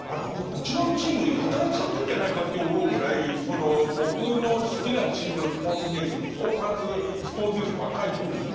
うちのチームやたら勝ってるんじゃないかって思うぐらいその僕の好きなチームのスポーツニュース称賛するスポーツニュースばっか入ってくるんですよ。